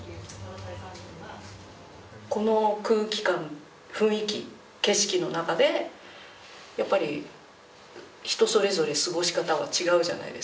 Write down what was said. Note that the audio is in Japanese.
この空気感雰囲気景色の中でやっぱり人それぞれ過ごし方は違うじゃないですか。